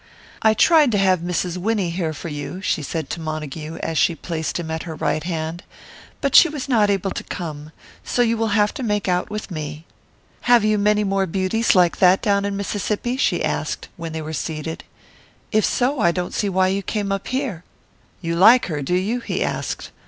"I tried to have Mrs. Winnie here for you," she said to Montague, as she placed him at her right hand. "But she was not able to come, so you will have to make out with me." "Have you many more beauties like that down in Mississippi?" she asked, when they were seated. "If so, I don't see why you came up here." "You like her, do you?" he asked.